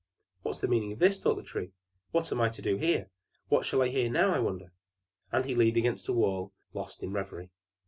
"What's the meaning of this?" thought the Tree. "What am I to do here? What shall I hear now, I wonder?" And he leaned against the wall lost in reverie.